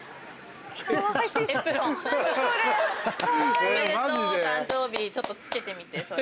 おめでとう誕生日ちょっと着けてみてそれ。